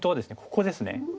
ここですね。